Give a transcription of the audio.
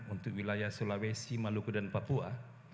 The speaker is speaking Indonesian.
untuk wilayah sulawesi maluku dan papua